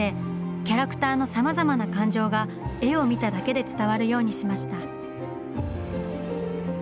キャラクターのさまざまな感情が絵を見ただけで伝わるようにしました。